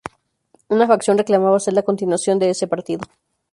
Una facción reclamaba ser la continuación de ese partido.